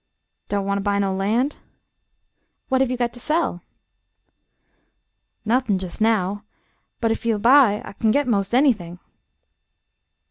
'" "Don't want to buy no land?" "What have you got to sell?" "Nuth'n, jest now. But ef ye'll buy I kin git 'most anything."